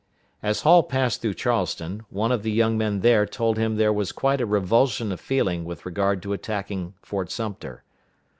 As Hall passed through Charleston, one of the young men there told him there was quite a revulsion of feeling with regard to attacking Fort Sumter.